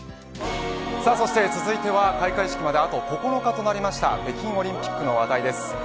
そして続いては開会式まであと９日となった北京オリンピックの話題です。